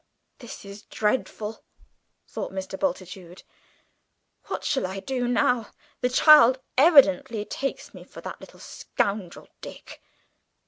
"This is dreadful!" thought Mr. Bultitude. "What shall I do now? The child evidently takes me for that little scoundrel Dick."